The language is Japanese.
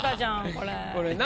これな。